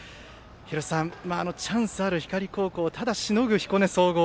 廣瀬さん、チャンスある光高校ただしのぐ、彦根総合。